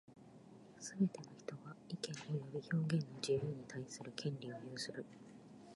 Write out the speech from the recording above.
すべて人は、意見及び表現の自由に対する権利を有する。